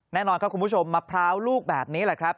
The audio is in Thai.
แน่นอนครับคุณผู้ชมมะพร้าวลูกแบบนี้แหละครับ